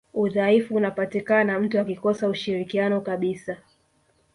udhaifu unapatikana mtu akikosa ushirikiano kabisa